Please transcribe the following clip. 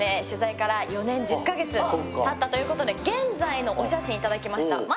取材から４年１０ヵ月経ったということで現在のお写真いただきました。